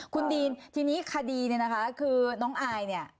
คุณดีนทีนี้คดีเนี่ยนะคะคือน้องอายเนี่ย